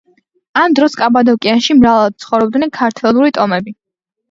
ამ დროს კაბადოკიაში მრავლად ცხოვრობდნენ ქართველური ტომები.